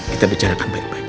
kita bicarakan baik baik